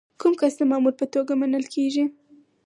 کوم کس د مامور په توګه منل کیږي؟